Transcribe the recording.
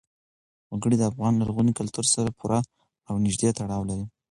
وګړي د افغان لرغوني کلتور سره پوره او نږدې تړاو لري.